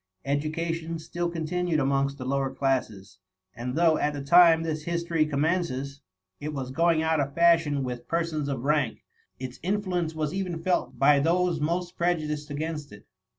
Education still continued amongst th^ lower classes ; and though, at the time this history commences, it was going out of fashion with THE MUMMY. 18 persons of rank, its influence was felt even by those most prejudiced against it.